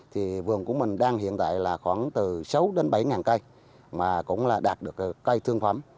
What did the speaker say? thì vườn của mình đang hiện tại là khoảng từ sáu đến bảy ngàn cây mà cũng là đạt được cây thương phẩm